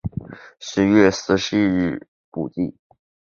十月十四日补记。